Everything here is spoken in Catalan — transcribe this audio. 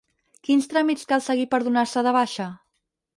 Quins tràmits cal seguir per donar-se de baixa?